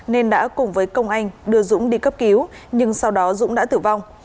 nên đã cùng với công anh đưa dũng đi cấp cứu nhưng sau đó dũng đã tử vong